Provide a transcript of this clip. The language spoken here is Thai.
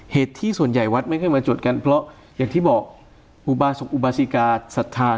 เหตุที่ส่วนใหญ่วัดไม่ค่อยมาจดกันเพราะอย่างที่บอกอุบาสิกาศรัทธา